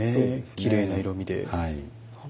きれいな色みで。